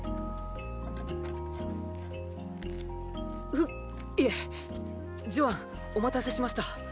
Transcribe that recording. フいえ“ジョアン”お待たせしました。